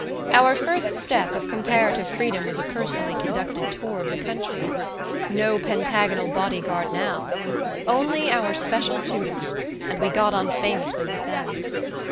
Our first step of comparative freedom was a personally conducted tour of the country. No pentagonal bodyguard now! Only our special tutors, and we got on famously with them.